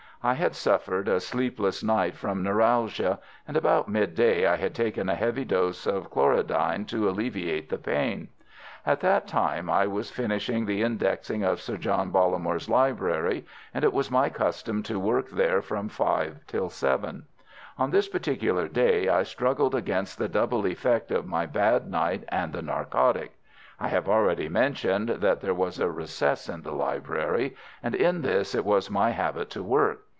I had suffered a sleepless night from neuralgia, and about mid day I had taken a heavy dose of chlorodyne to alleviate the pain. At that time I was finishing the indexing of Sir John Bollamore's library, and it was my custom to work there from five till seven. On this particular day I struggled against the double effect of my bad night and the narcotic. I have already mentioned that there was a recess in the library, and in this it was my habit to work.